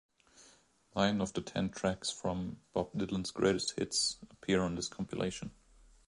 Nine of the ten tracks from "Bob Dylan's Greatest Hits" appear on this compilation.